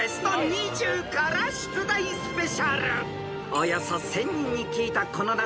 ［およそ１，０００人に聞いたこの夏